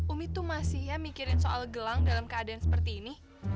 umi tuh masih ya mikirin soal gelang dalam keadaan seperti ini